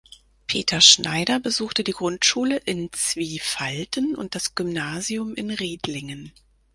Peter Schneider besuchte die Grundschule in Zwiefalten und das Gymnasium in Riedlingen.